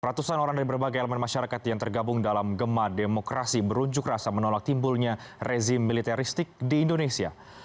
ratusan orang dari berbagai elemen masyarakat yang tergabung dalam gemah demokrasi berunjuk rasa menolak timbulnya rezim militeristik di indonesia